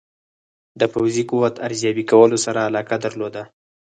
د پوځي قوت ارزیابي کولو سره علاقه درلوده.